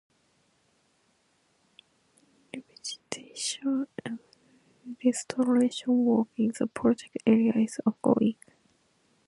Revegetation and restoration work in the project area is ongoing.